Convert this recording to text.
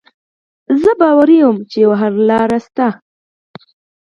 زه ډاډه وم چې یوه حل لاره شته